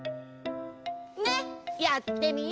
ねっやってみよ！